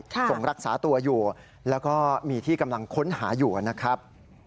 ส่งรักษาตัวอยู่แล้วก็มีที่กำลังค้นหาอยู่นะครับ